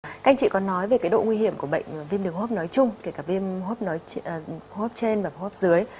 các anh chị có nói về độ nguy hiểm của bệnh viêm đường hốp nói chung kể cả viêm hốp trên và hốp dưới